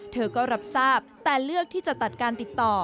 เธอก็รับทราบแต่เลือกที่จะตัดการติดต่อ